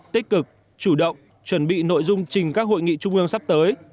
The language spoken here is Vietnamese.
tích cực chủ động chuẩn bị nội dung trình các hội nghị trung ương sắp tới